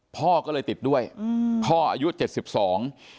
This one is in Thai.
พ่อก็เลยติดด้วยอืมพ่ออายุเจ็ดสิบสอง